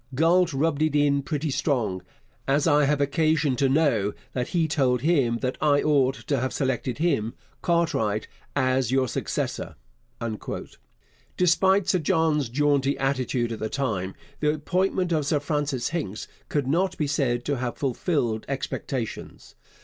Galt rubbed it in pretty strong, as I have occasion to know that he told him that I ought to have selected him (Cartwright) as your successor. Despite Sir John's jaunty attitude at the time, the appointment of Sir Francis Hincks could not be said to have fulfilled expectations.